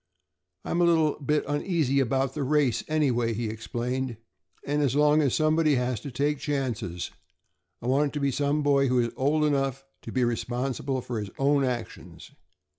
"I'm a little bit uneasy about the race, anyway," he explained, "and as long as somebody has to take chances I want it to be some boy who is old enough to be responsible for his own actions.